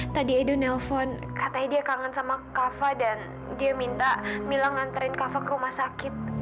tadi edu nelpon katanya dia kangen sama kava dan dia minta mila nganterin kava ke rumah sakit